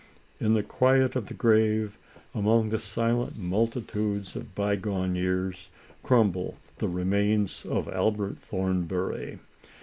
In the quiet of the grave, among the silent multitudes of bygone years, crumble the remains of Albert Thornbury.